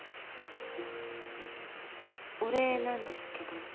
あっお礼なんですけど。